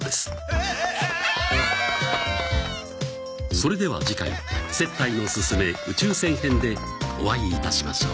それでは次回「接待のススメ宇宙船編」でお会いいたしましょう。